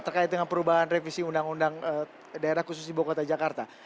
terkait dengan perubahan revisi undang undang daerah khusus ibu kota jakarta